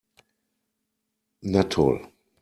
Na toll!